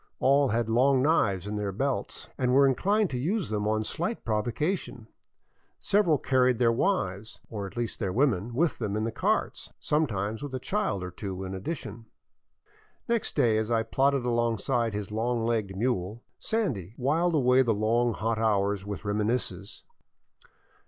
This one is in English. All had long knives in their belts and were inclined to use them on slight provocation. Several carried their wives, or at least their women, with them in the carts, sometimes with a child or two in addition. Next day as I plodded beside his long legged mule, " Sandy " whiled away the long, hot hours with reminiscences.